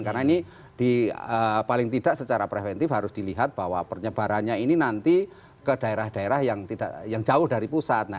karena ini paling tidak secara preventif harus dilihat bahwa penyebarannya ini nanti ke daerah daerah yang jauh dari pusat